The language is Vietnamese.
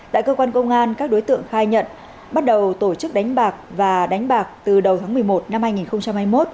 tại cơ quan công an các đối tượng khai nhận bắt đầu tổ chức đánh bạc và đánh bạc từ đầu tháng một mươi một năm hai nghìn hai mươi một